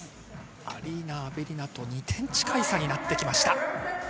アリーナ・アベリナと２点近い差になってきました。